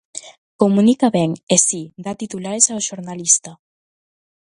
Comunica ben e, si, dá titulares ao xornalista.